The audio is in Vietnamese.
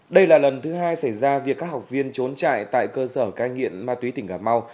đây là lần thứ hai xảy ra việc các học viên trốn trại tại cơ sở cai nghiện ma túy tỉnh cà mau